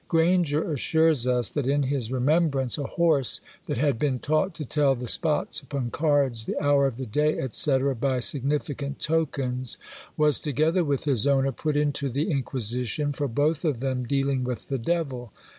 Granger assures us, that in his remembrance a horse that had been taught to tell the spots upon cards, the hour of the day, &c., by significant tokens, was, together with his owner, put into the Inquisition for both of them dealing with the devil!